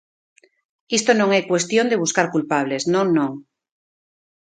Isto non é cuestión de buscar culpables, non, non.